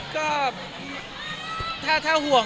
ก็ถ้าถ้าห่วง